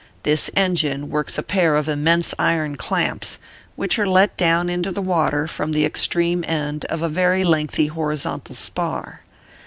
This engine works a pair of immense iron clamps, which are let down into the water from the extreme end of a very lengthy horizontal spar.